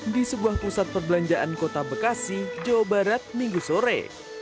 di sebuah pusat perbelanjaan kota bekasi jawa barat minggu sore